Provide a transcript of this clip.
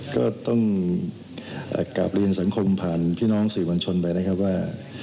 ก็ต้องกราบงานสังคมผ่านพี่น้องศรีวรรณชนไปนะครับว่า